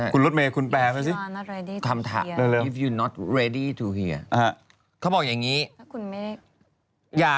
ก็ขอเป็นคนสุดท้ายที่จะให้ถอยคำ